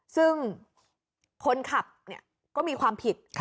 ซึ่งคนขับก็มีความผิด